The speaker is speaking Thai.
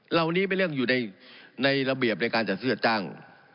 เราวันนี้ไม่เรื่องอยู่ในระเบียบในการจะซื้อจ้าง